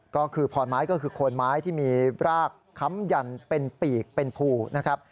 ก็คือพรไม้ก็คือโคนไม้ที่มีรากค้ำยันเป็นปีกเป็นภูนะครับ